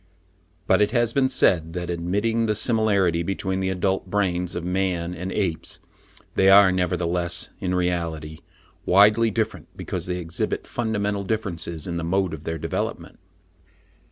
But it has been said, that, admitting the similarity between the adult brains of man and apes, they are nevertheless, in reality, widely different, because they exhibit fundamental differences in the mode of their development.